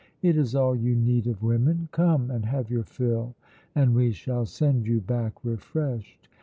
It is all you need of women; come and have your fill, and we shall send you back refreshed.